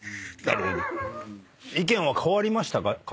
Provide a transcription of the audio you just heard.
意見は変わりましたか？